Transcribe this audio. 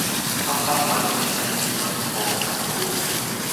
アンパンマンよりばいきんまんのほうがかっこいい。